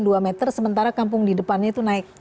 dua meter sementara kampung di depannya itu naik